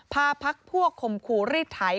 พาพักพวกขมครูรีดไถ